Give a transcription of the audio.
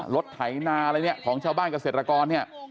ไถนาอะไรเนี่ยของชาวบ้านเกษตรกรเนี่ย